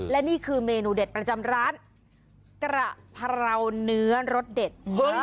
และนี่คือเมนูเด็ดประจำร้านกระเพราเนื้อรสเด็ด